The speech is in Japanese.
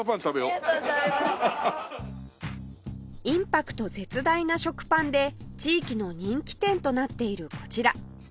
インパクト絶大な食パンで地域の人気店となっているこちら